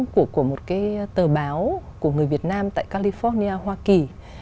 của một cái tờ báo của người việt nam tại california hoa kỳ